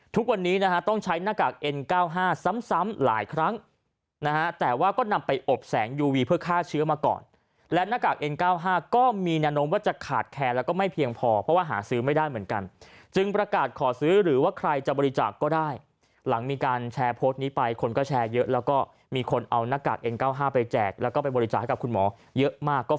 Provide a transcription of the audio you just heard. แต่ว่าก็นำไปอบแสงยูวีเพื่อฆ่าเชื้อมาก่อนและหน้ากากเอ็นเก้าห้าก็มีแนะนำว่าจะขาดแคลแล้วก็ไม่เพียงพอเพราะว่าหาซื้อไม่ได้เหมือนกันจึงประกาศขอซื้อหรือว่าใครจะบริจาคก็ได้หลังมีการแชร์โพสต์นี้ไปคนก็แชร์เยอะแล้วก็มีคนเอาน้ากากเอ็นเก้าห้าไปแจกแล้วก็ไปบริจาคกับคุณหมอเยอะมา